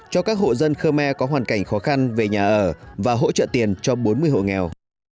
cho các hộ dân khơ me có hoàn cảnh khó khăn về nhà ở và hỗ trợ tiền cho bốn mươi hộ nghèo